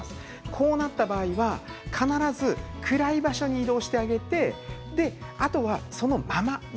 こうなった場合は必ず暗い場所に移動してあげてあとはそのままに